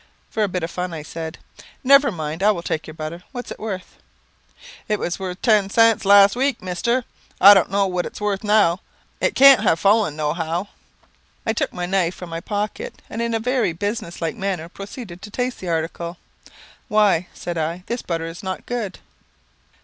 For a bit of fun I said, "Never mind; I will take your butter. What is it worth?" "It was worth ten cents last week, mister; I don't know what it's worth now. It can't have fallen, no how." I took my knife from my pocket, and in a very business like manner proceeded to taste the article. "Why," said I, "this butter is not good."